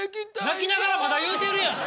泣きながらまだ言うてるやん。